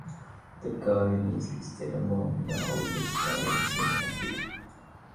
The garden is listed among the oldest gardens in Africa.